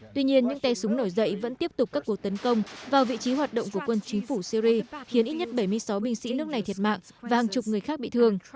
tuy nhiên những tay súng nổi dậy vẫn tiếp tục các cuộc tấn công vào vị trí hoạt động của quân chính phủ syri khiến ít nhất bảy mươi sáu binh sĩ nước này thiệt mạng và hàng chục người khác bị thương